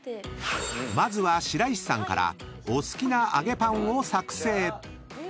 ［まずは白石さんからお好きな揚げパンを作成］え！